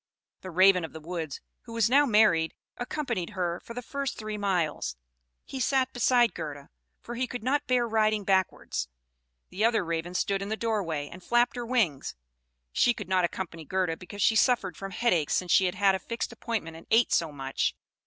The Raven of the woods, who was now married, accompanied her for the first three miles. He sat beside Gerda, for he could not bear riding backwards; the other Raven stood in the doorway, and flapped her wings; she could not accompany Gerda, because she suffered from headache since she had had a fixed appointment and ate so much.